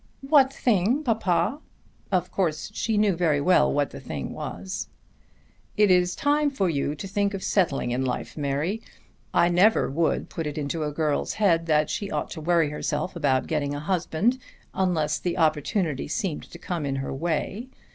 "What thing, papa?" Of course she knew very well what the thing was. "It is time for you to think of settling in life, Mary. I never would put it into a girl's head that she ought to worry herself about getting a husband unless the opportunity seemed to come in her way.